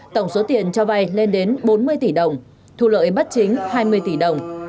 tổng số tiền cho vay lên đến bốn mươi tỷ đồng thu lợi bất chính hai mươi tỷ đồng